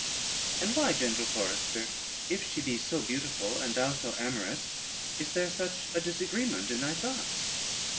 "And why, gentle forester, if she be so beautiful, and thou so amorous, is there such a disagreement in thy thoughts?